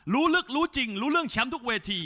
รู้ลึกรู้จริงรู้เรื่องแชมป์ทุกเวที